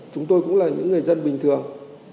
chúng tôi cũng là những người dân bình thường